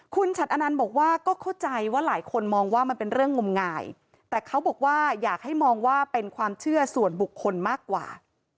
คุณฉัดอนันต์บอกว่าก็เข้าใจว่าหลายคนมองว่ามันเป็นเรื่องงมงายแต่เขาบอกว่าอยากให้มองว่าเป็นความเชื่อส่วนบุคคลมากกว่า